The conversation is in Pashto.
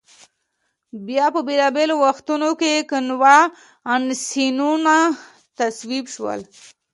بیا په بېلا بېلو وختونو کې کنوانسیونونه تصویب شول.